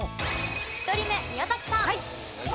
１人目宮崎さん。